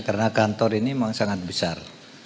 karena kantor ini memang sangat besar